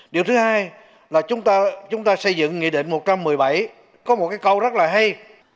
điều thứ hai là chúng ta xây dựng nghị định một trăm một mươi bảy có một cái câu rất là hay